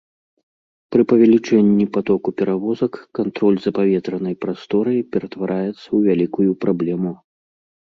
Пры павелічэнні патоку перавозак кантроль за паветранай прасторай ператвараецца ў вялікую праблему.